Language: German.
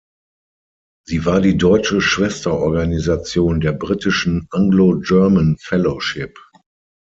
Sie war die deutsche Schwesterorganisation der britischen Anglo-German Fellowship.